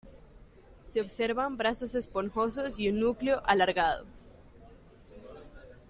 Se observan brazos esponjosos y un núcleo alargado.